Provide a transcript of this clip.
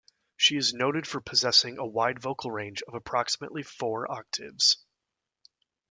She is noted for possessing a wide vocal range of approximately four octaves.